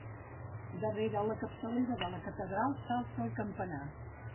Darrere la capçalera de la catedral, s'alça el campanar.